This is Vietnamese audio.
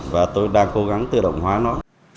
và tôi đang cố gắng tự động hóa nó